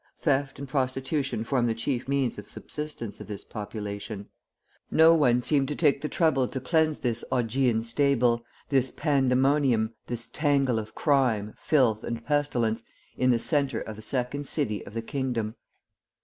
Theft and prostitution form the chief means of subsistence of this population. No one seemed to take the trouble to cleanse this Augean stable, this Pandemonium, this tangle of crime, filth, and pestilence in the centre of the second city of the kingdom.